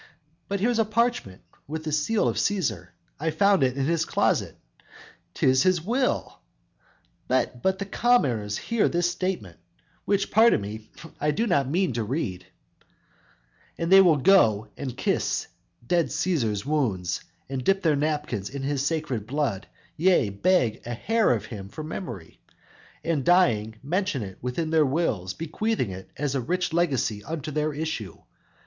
But here's a parchment with the seal of Cæsar; I found it in his closet, 'tis his will; Let but the commons hear this statement, (Which pardon me, I do not mean to read), And they would go and kiss dead Cæsar's wounds; And dip their napkins in his sacred blood; Yea, beg a hair of him for memory, And dying, mention it within their wills, Bequeathing it as a rich legacy Unto their issue.